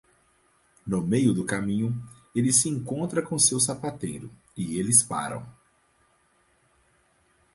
No meio do caminho, ele se encontra com seu sapateiro, e eles param.